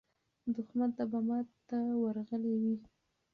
دښمن ته به ماته ورغلې وي.